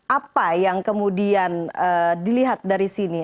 apa yang kemudian dilihat dari sini